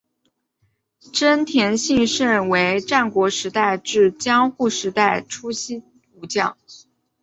真田信胜为战国时代至江户时代初期武将。